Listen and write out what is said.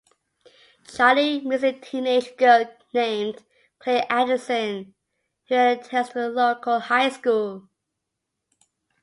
Charlie meets a teenage girl named Claire Addison, who attends a local high school.